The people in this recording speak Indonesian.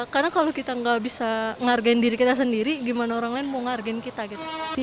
karena kalau kita nggak bisa ngargain diri kita sendiri gimana orang lain mau ngargain kita gitu